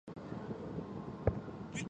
它的政治立场是左翼到极左。